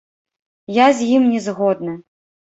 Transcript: Я з ім не згодны.